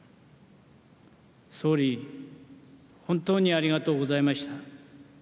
総理本当にありがとうございました。